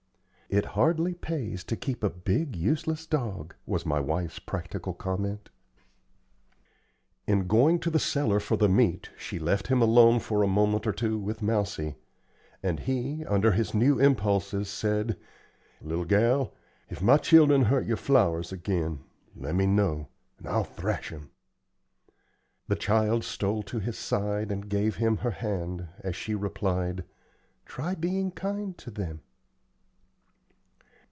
"It hardly pays to keep a big, useless dog," was my wife's practical comment. In going to the cellar for the meat, she left him alone for a moment or two with Mousie; and he, under his new impulses, said: "Little gal, ef my children hurt your flowers agin, let me know, and I'll thrash 'em!" The child stole to his side and gave him her hand, as she replied, "Try being kind to them."